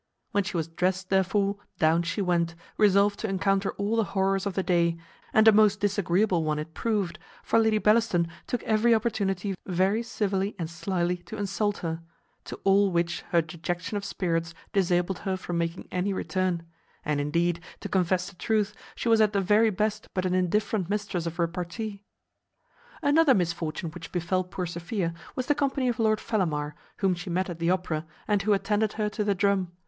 When she was drest, therefore, down she went, resolved to encounter all the horrors of the day, and a most disagreeable one it proved; for Lady Bellaston took every opportunity very civilly and slily to insult her; to all which her dejection of spirits disabled her from making any return; and, indeed, to confess the truth, she was at the very best but an indifferent mistress of repartee. Another misfortune which befel poor Sophia was the company of Lord Fellamar, whom she met at the opera, and who attended her to the drum.